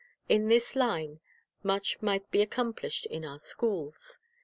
In this line much might be accom plished in our schools.